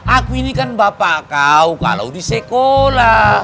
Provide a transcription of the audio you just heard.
aku ini kan bapak kau kalau di sekolah